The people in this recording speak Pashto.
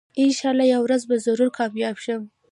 انشاالله یوه ورځ به ضرور کامیاب شم